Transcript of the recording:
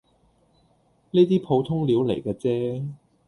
呢啲普通料黎既啫